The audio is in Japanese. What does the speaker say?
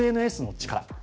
ＳＮＳの力